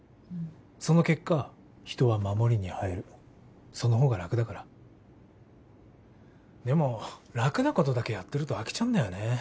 その結果人は守りに入るその方が楽だからでも楽なことだけやってると飽きちゃうんだよね